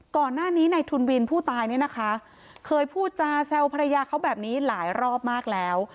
ก่อนหน้านี้ในทุนวินผู้ตายเนี่ยนะคะเคยพูดจาแซวภรรยาเขาแบบนี้หลายรอบมากแล้ว